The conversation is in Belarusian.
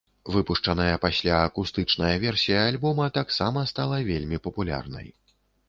Выпушчаная пасля акустычная версія альбома таксама стала вельмі папулярнай.